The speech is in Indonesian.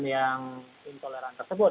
yang intoleran tersebut